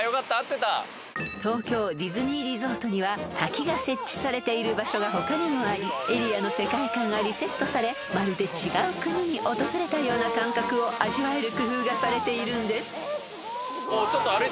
［東京ディズニーリゾートには滝が設置されている場所が他にもありエリアの世界観がリセットされまるで違う国に訪れたような感覚を味わえる工夫がされているんです］